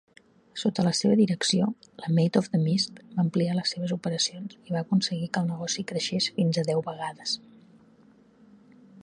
Sota la seva direcció, la Maid of the Mist va ampliar les seves operacions i va aconseguir que el negoci creixés fins a deu vegades.